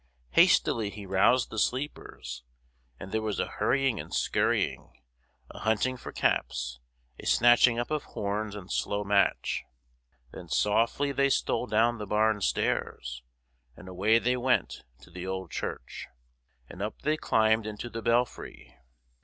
Hastily he roused the sleepers, and there was a hurrying and scurrying, a hunting for caps, a snatching up of horns and slow match. Then softly they stole down the barn stairs, and away they went to the old church, and up they climbed into the belfry.